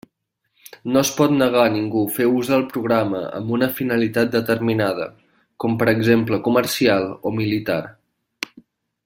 No es pot negar a ningú fer ús del programa amb una finalitat determinada, com per exemple comercial o militar.